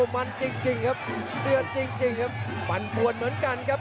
มันจริงครับ